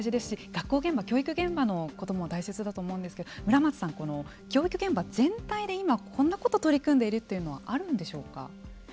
学校現場、教育現場のことも大切だと思うんですけれども村松さん、この教育現場全体でこんなことに取り組んでいるというのはあるんでしょうか。